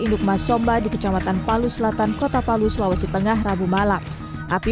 induk mas somba di kecamatan palu selatan kota palu sulawesi tengah rabu malam api